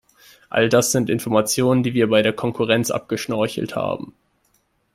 All das sind Informationen, die wir bei der Konkurrenz abgeschnorchelt haben.